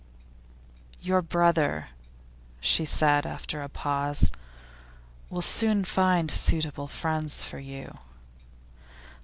'Your brother,' she said after a pause, 'will soon find suitable friends for you.